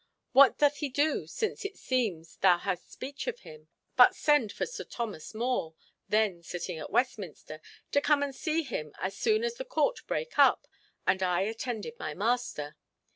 What doth he do, since it seems thou hadst speech of him, but send for Sir Thomas More, then sitting at Westminster, to come and see him as soon as the Court brake up, and I attended my master.